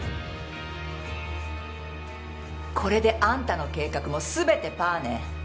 これであんたの計画も全てぱあね。